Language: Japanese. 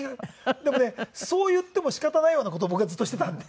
でもねそう言っても仕方ないような事を僕がずっとしていたんで。